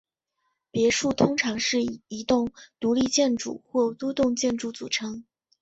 别墅通常是一栋独立建筑或多栋建筑组成。